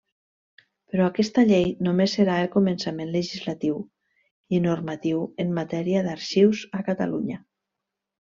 Però aquesta llei només serà el començament legislatiu i normatiu en matèria d'arxius a Catalunya.